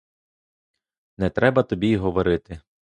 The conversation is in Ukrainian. Не треба тобі й говорити.